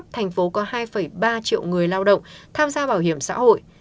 thành phố có hai ba triệu người lao động tham gia bảo hiểm xã hội